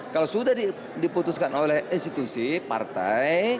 kalau sudah diputuskan oleh institusi partai